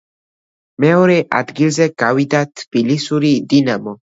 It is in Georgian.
მეორე ადგილზე გავიდა თბილისური „დინამო“.